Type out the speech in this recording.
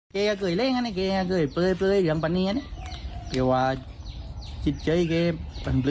ตอนนี้ก็เพิ่งที่จะสูญเสียคุณย่าไปไม่นานตอนนี้ก็เพิ่งที่จะสูญเสียคุณย่าไปไม่นาน